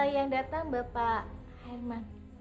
yang datang bapak hairman